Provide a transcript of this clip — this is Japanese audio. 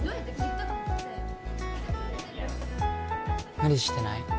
無理してない？